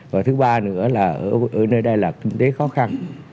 và thứ ba nữa là nơi đây là kinh tế khó khăn